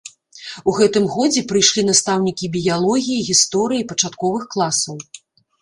У гэтым годзе прыйшлі настаўнікі біялогіі, гісторыі і пачатковых класаў.